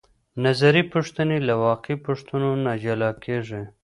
نظري پوښتنې له واقعي پوښتنو نه جلا کیږي.